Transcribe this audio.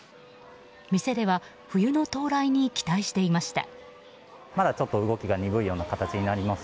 店では冬の到来に期待していました。